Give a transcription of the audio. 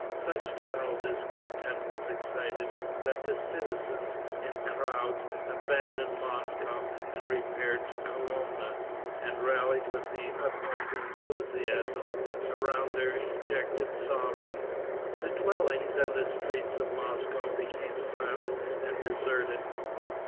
Such general discontent was excited, that the citizens, in crowds, abandoned Moscow and repaired to Kolomna, and rallied, with the utmost enthusiasm, around their ejected sovereign. The dwellings and the streets of Moscow became silent and deserted.